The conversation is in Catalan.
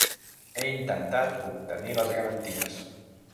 He intentat obtenir les garanties.